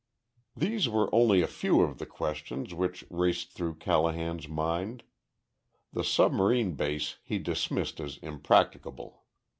These were only a few of the questions which raced through Callahan's mind. The submarine base he dismissed as impracticable.